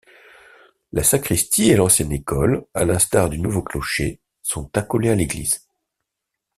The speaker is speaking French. La sacristie et l’ancienne école, à l’instar du nouveau clocher, sont accolées à l’église.